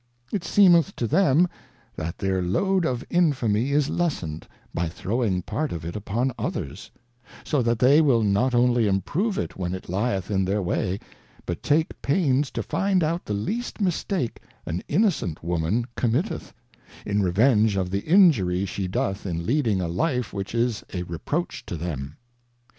It seemeth to them, that their Load of Infamy is lessened, by throwing part of it upon others : So that they will not only improve it when it lieth in their way, but take pains to find out the least mistake an Innocent Woman comniitteth, in Revenge of the Injury she doth in leading a Life which is a Reproach to them.